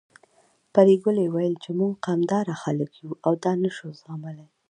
پري ګلې ويل چې موږ قامداره خلک يو او دا نه شو زغملی